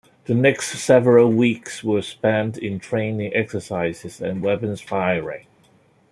The next several weeks were spent in training exercises and weapons firing.